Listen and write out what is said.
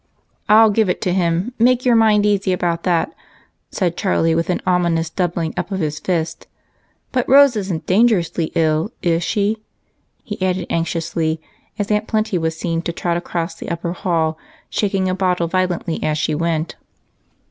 "I'll give it to him, make your mind easy about that," said Charlie, with an ominous doubling up of his fist. " But Rose is n't dangerously ill, is she ?" he added anxiously, as Aunt Plenty was seen to trot across the upper hall, shaking a bottle violently as she went.